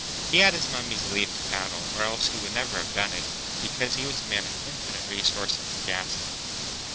(He had his mummy's leave to paddle, or else he would never have done it, because he was a man of infinite resource and sagacity.)